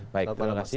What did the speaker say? baik terima kasih